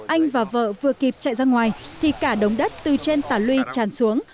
anh và vợ vừa kịp chạy ra ngoài thì cả đống đất từ trên tà luy tràn xuống